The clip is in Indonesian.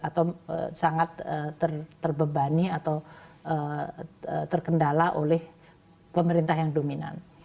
atau sangat terbebani atau terkendala oleh pemerintah yang dominan